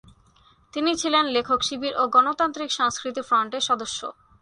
তিনি ছিলেন লেখক শিবির ও গণতান্ত্রিক সংস্কৃতি ফ্রন্টের সদস্য।